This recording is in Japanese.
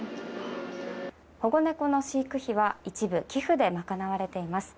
保護猫の飼育費は一部寄付で賄われています。